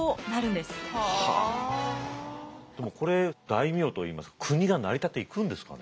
でもこれ大名といいますか国が成り立っていくんですかね。